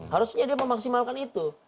harusnya dia memaksimalkan itu